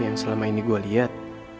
yang selama ini gue lihat